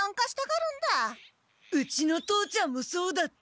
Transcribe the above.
うちの父ちゃんもそうだった。